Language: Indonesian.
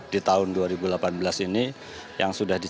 dan kemudian juga kita menilai dari kegiatan sehari hari